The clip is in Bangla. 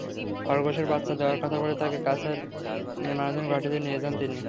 খরগোশের বাচ্চা দেওয়ার কথা বলে তাকে কাছের নির্মাণাধীন ঘরটিতে নিয়ে যান তিনি।